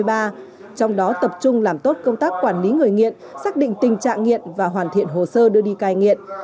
trong đó tập trung làm tốt công tác quản lý người nghiện xác định tình trạng nghiện và hoàn thiện hồ sơ đưa đi cai nghiện